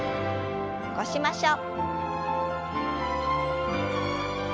起こしましょう。